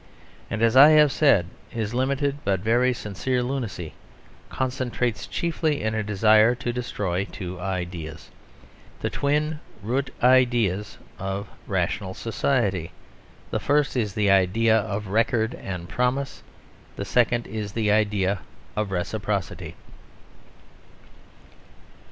And, as I have said, his limited but very sincere lunacy concentrates chiefly in a desire to destroy two ideas, the twin root ideas of rational society. The first is the idea of record and promise: the second is the idea of reciprocity.